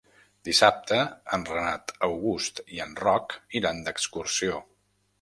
Dissabte en Renat August i en Roc iran d'excursió.